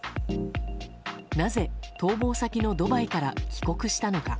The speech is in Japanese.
なぜ逃亡先のドバイから帰国したのか。